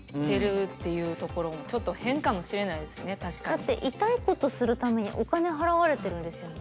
だって痛いことするためにお金払われてるんですよね。